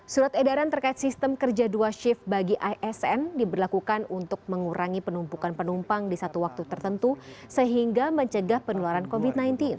surat edaran terkait sistem kerja dua shift bagi isn diberlakukan untuk mengurangi penumpukan penumpang di satu waktu tertentu sehingga mencegah penularan covid sembilan belas